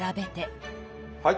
はい。